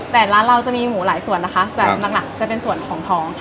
แต่ร้านเราจะมีหมูหลายส่วนนะคะแต่หลักจะเป็นส่วนของท้องค่ะ